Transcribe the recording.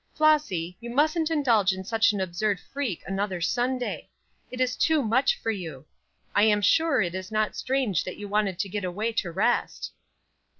Flossy, you mustn't indulge in such an absurd freak another Sunday. It is too much for you. I am sure it is not strange that you wanted to get away to rest."